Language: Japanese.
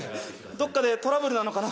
どっかでトラブルなのかな？